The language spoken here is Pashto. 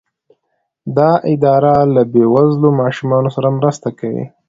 دا اداره له بې وزلو ماشومانو سره مرسته کوي.